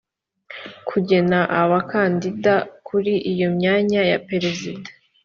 kugena abakandida kuri iyo myanya ya perezida